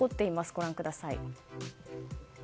ご覧ください。